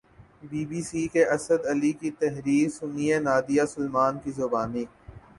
be B C کے اسد علی کی تحریر سنیے نادیہ سلیمان کی زبانی